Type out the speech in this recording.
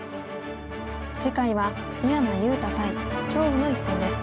次回は井山裕太対張栩の一戦です。